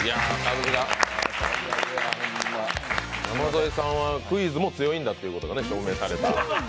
山添さんはクイズも強いんだということが証明された。